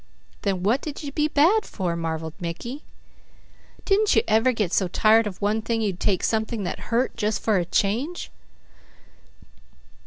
"Then what did you be bad for?" marvelled Mickey. "Didn't you ever get so tired of one thing you'd take something that hurt, jus' for a change?"